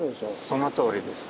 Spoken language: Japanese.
そのとおりです。